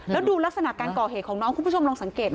แล้วดูลักษณะการก่อเหตุของน้องคุณผู้ชมลองสังเกตดู